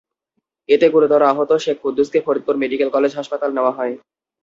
এতে গুরুতর আহত শেখ কুদ্দুসকে ফরিদপুর মেডিকেল কলেজ হাসপাতাল নেওয়া হয়।